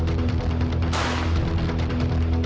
pertama ini kelinci